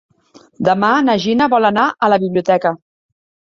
Demà na Gina vol anar a la biblioteca.